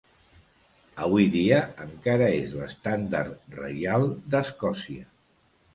Avui dia encara és l'Estendard Reial d'Escòcia.